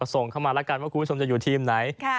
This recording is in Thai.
ส่งเข้ามาแล้วกันว่าคุณผู้ชมจะอยู่ทีมไหน